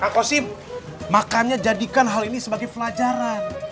kak kosim makanya jadikan hal ini sebagai pelajaran